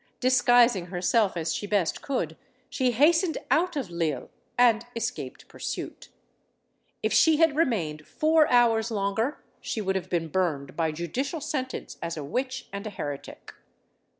Disguising herself as she best could, she hastened out of Lille and escaped pursuit. If she had remained four hours longer, she would have been burned by judicial sentence as a witch and a heretic.